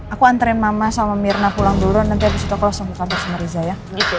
aku anterin mama sama myrna pulang dulu nanti abis itu aku langsung ke kantor sama riza ya